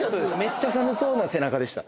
めっちゃ寒そうな背中でした。